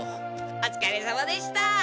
おつかれさまでした。